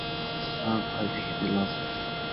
আমাদের ভয় দেখিয়ে লাভ নেই।